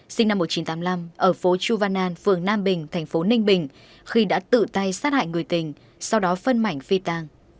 sinh năm một nghìn chín trăm tám mươi năm ở phố chu văn an phường nam bình thành phố ninh bình khi đã tự tay sát hại người tình sau đó phân mảnh phi tàng